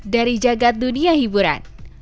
dari jagad dunia hiburan